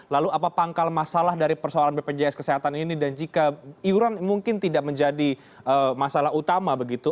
lalu apa pangkal masalah dari persoalan bpjs kesehatan ini dan jika iuran mungkin tidak menjadi masalah utama begitu